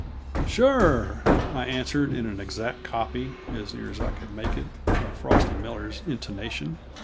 "Sure!" I answered, in an exact copy as near as I could make it of Frosty Miller's intonation.